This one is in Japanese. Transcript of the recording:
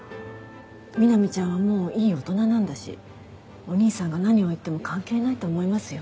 みなみちゃんはもういい大人なんだしお兄さんが何を言っても関係ないと思いますよ。